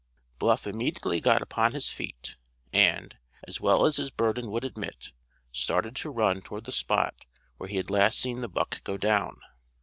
Bluff immediately got upon his feet, and, as well as his burden would admit, started to run toward the spot were he had last seen the buck go down.